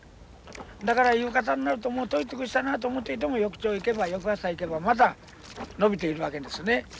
だから夕方になるともう取り尽くしたなと思っていても翌朝行けば翌朝行けばまた伸びているわけですね。